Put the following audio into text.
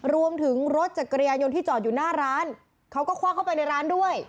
รวมถึงรถจักรยานยนต์ที่จอดอยู่หน้าร้านเขาก็คว่างเข้าไปในร้านด้วย